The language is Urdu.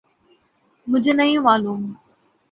مجھے نہیں معلوم۔